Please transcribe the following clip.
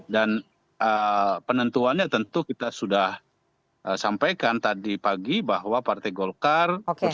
dan penentuannya tentu kita sudah sampaikan tadi pagi bahwa partai golkar bersama sama